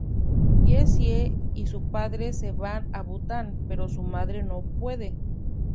Jessie y su padre se van a Bután, pero su madre no puede.